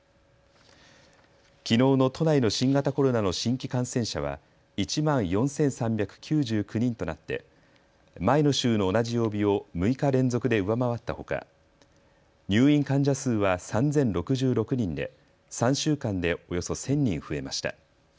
きのうの都内の新型コロナの新規感染者は１万４３９９人となって前の週の同じ曜日を６日連続で上回ったほか入院患者数は３０６６人で３週間でおよそ１０００人増えました。